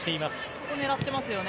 そこを狙っていますよね